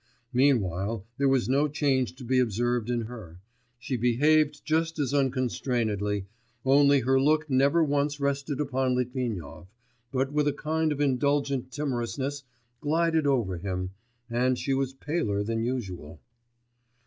Meanwhile there was no change to be observed in her; she behaved just as unconstrainedly ... only her look never once rested upon Litvinov, but with a kind of indulgent timorousness glided over him, and she was paler than usual.